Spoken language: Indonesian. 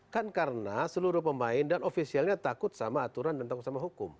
kan karena seluruh pemain dan ofisialnya takut sama aturan dan takut sama hukum